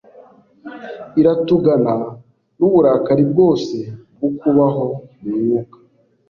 iratugana nuburakari bwose bwo kubaho mu mwuka